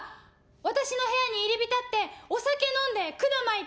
私の部屋に入り浸ってお酒飲んでくだ巻いて。